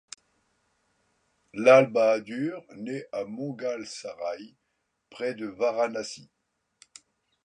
Lal Bahadur naît à Moghalsarai près de Varanasi.